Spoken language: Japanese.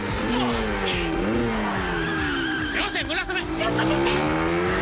ちょっとちょっと。